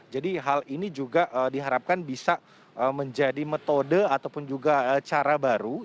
hal ini juga diharapkan bisa menjadi metode ataupun juga cara baru